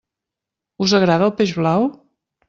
Us agrada el peix blau?